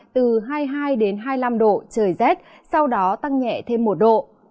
từ hai mươi hai đến hai mươi năm độ trời rét sau đó tăng nhẹ thêm một độ